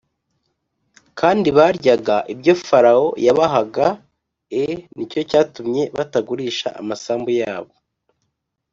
kandi baryaga ibyo Farawo yabahaga e Ni cyo cyatumye batagurisha amasambu yabo